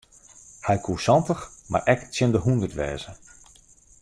Hy koe santich mar ek tsjin de hûndert wêze.